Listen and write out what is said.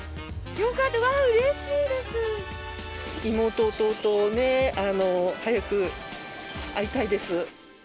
よか妹、弟ね、早く会いたいです。